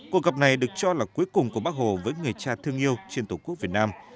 cuộc gặp này được cho là cuối cùng của bác hồ với người cha thương yêu trên tổ quốc việt nam